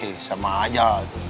eh sama aja